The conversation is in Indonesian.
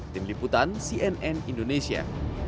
tim liputan cnn indonesia